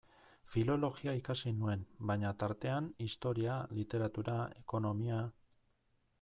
Filologia ikasi nuen, baina, tartean, historia, literatura, ekonomia...